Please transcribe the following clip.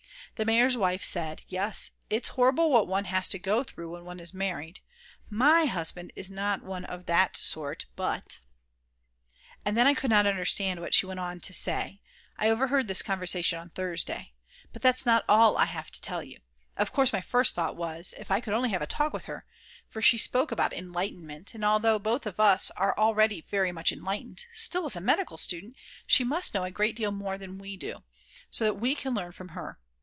The mayor's wife said: "Yes, it's horrible what one has to go through when one is married. My husband is not one of that sort but " And then I could not understand what she went on to say I overheard this conversation on Thursday. But that's not all I have to tell you. Of course my first thought was, if only I could have a talk with her; for she spoke about enlightenment and although we are both of us already very much enlightened, still, as a medical student, she must know a great deal more than we do, so that we can learn from her.